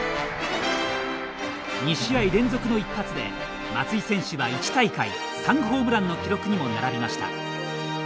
２試合連続の１発で、松井選手は１大会３ホームランの記録にも並びました。